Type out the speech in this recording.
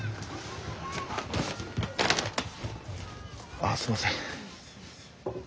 ああすいません。